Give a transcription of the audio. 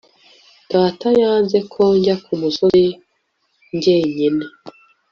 data yanze ko njya ku musozi jyenyine